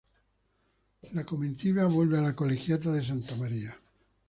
La comitiva vuelve a la Colegiata de Santa María.